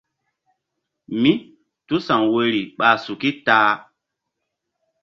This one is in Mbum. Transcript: Mítúsa̧w woyri ɓa suki ta-a.